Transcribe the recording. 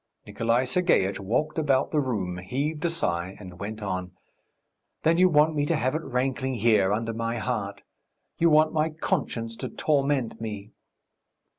Nikolay Sergeitch walked about the room, heaved a sigh, and went on: "Then you want me to have it rankling here, under my heart.... You want my conscience to torment me...."